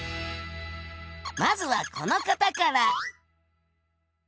まずはこの方から。